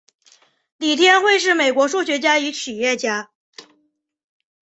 李天惠是美国数学家与企业家。